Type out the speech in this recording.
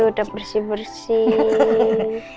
udah bersih bersih